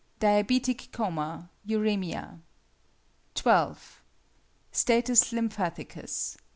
Diabetic coma; uræmia. 12. _Status lymphaticus.